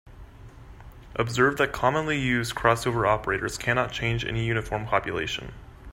Observe that commonly used crossover operators cannot change any uniform population.